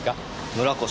村越。